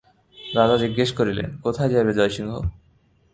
রাজা জিজ্ঞাসা করিলেন, কোথায় যাইবে জয়সিংহ?